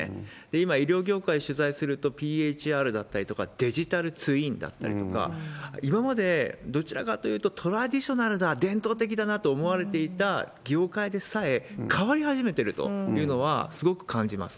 今、医療業界取材すると、ＰＨＲだったりとか、デジタルツインだったりとか、今までどちらかというと、トラディショナルな、伝統的だなと思われていた業界でさえ変わり始めてるというのは、すごく感じます。